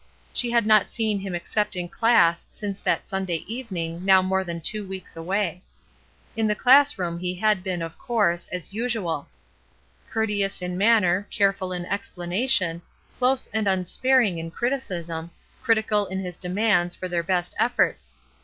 She had not seen him except in class since that Sunday evening now more than two weeks away. In the class room he had been, of course. DISCIPLINE 243 as usual. Courteous in manner, careful in explanation, close and unsparing in criticism, critical in his demands for their best efforts.